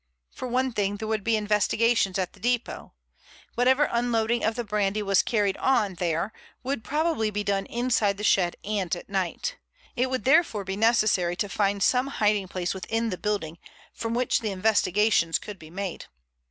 For one thing there would be the investigations at the depot. Whatever unloading of the brandy was carried on there would probably be done inside the shed and at night. It would therefore be necessary to find some hiding place within the building from which the investigations could be made.